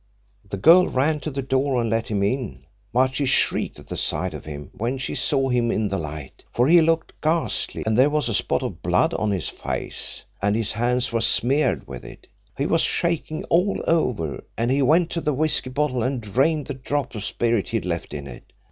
"The girl ran to the door and let him in, but she shrieked at the sight of him when she saw him in the light. For he looked ghastly, and there was a spot of blood on his face, and his hands were smeared with it. He was shaking all over, and he went to the whisky bottle and drained the drop of spirit he'd left in it.